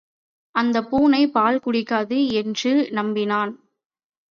அந்தப் பூனை பால் குடிக்காது என்று நம்பினான்.